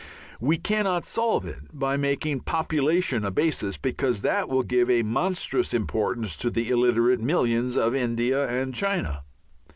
We cannot solve it by making population a basis, because that will give a monstrous importance to the illiterate millions of India and China.